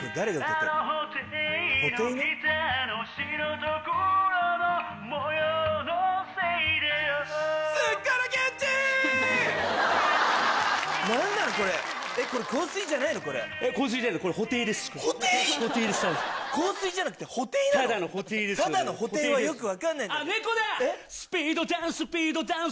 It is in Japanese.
ただの「布袋」はよく分かんない。